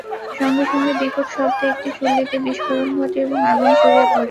সঙ্গে সঙ্গে বিকট শব্দে একটি চুল্লিতে বিস্ফোরণ ঘটে এবং আগুন ছড়িয়ে পড়ে।